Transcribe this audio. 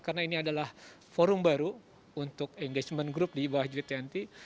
karena ini adalah forum baru untuk engagement group di bawah citwini